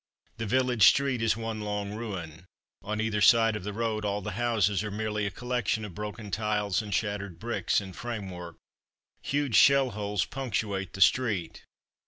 The village street is one long ruin. On either side of the road, all the houses are merely a collection of broken tiles and shattered bricks and framework. Huge shell holes punctuate the street.